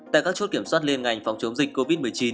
tại các chốt kiểm soát liên ngành phòng chống dịch covid một mươi chín